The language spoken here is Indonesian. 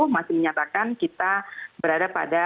masih menyatakan kita berada pada